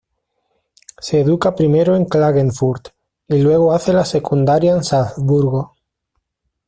Se educa primero en Klagenfurt y luego hace la secundaria en Salzburgo.